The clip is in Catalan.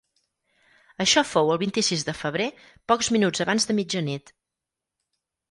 Això fou el vint-i-sis de febrer, pocs minuts abans de mitjanit.